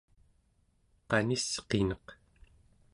qanisqineq